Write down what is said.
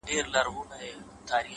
• پلار یې پلنډه کړ روان مخ پر بېدیا سو,